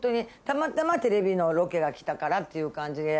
たまたまテレビのロケが来たからっていう感じで。